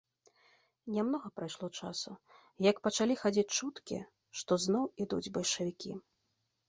Нямнога прайшло часу, як пачалі хадзіць чуткі, што зноў ідуць бальшавікі.